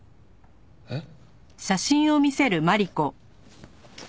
えっ？